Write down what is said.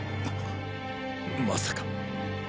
まさか。